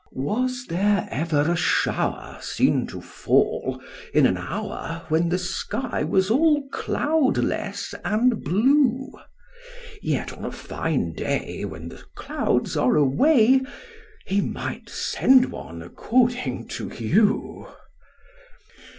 Was there ever a shower seen to fall in an hour when the sky was all cloudless and blue? Yet on a fine day, when the clouds are away, he might send one, according to you.